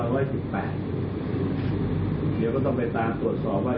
เดี๋ยวก็ต้องไปตามตรวจสอบว่า